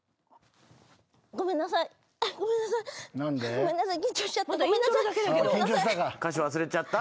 ごめんなさい。